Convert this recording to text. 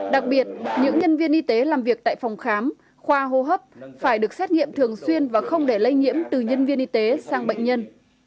đặc biệt những nhân viên y tế làm việc tại phòng khám khoa hô hấp phải được xét nghiệm thường xuyên và không để lây nhiễm từ nhân viên y tế sang bệnh nhân